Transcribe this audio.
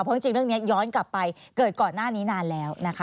เพราะจริงเรื่องนี้ย้อนกลับไปเกิดก่อนหน้านี้นานแล้วนะคะ